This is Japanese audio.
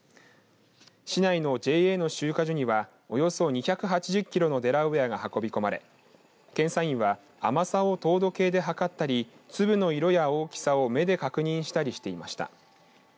市内のＪＡの出荷所にはおよそ２８０キロのデラウエアが運び込まれ検査員は甘さを糖度計で計ったり粒の色や大きさを目で確認したりしていました。